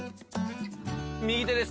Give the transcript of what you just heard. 「右手です